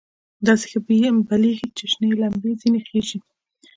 داسې ښه بلېږي چې شنې لمبې ځنې خېژي.